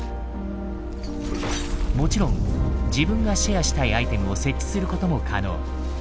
もちろん自分がシェアしたいアイテムを設置することも可能。